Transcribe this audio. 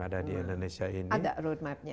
ada di indonesia ini ada road mapnya